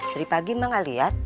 dari pagi mah gak liat